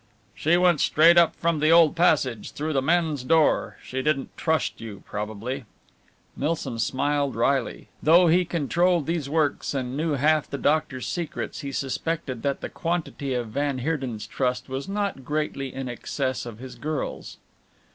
"She went straight up from the old passage through the men's door she didn't trust you probably." Milsom smiled wryly. Though he controlled these works and knew half the doctor's secrets, he suspected that the quantity of van Heerden's trust was not greatly in excess of his girl's.